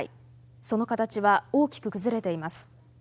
その形は大きく崩れています。